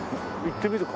行ってみる？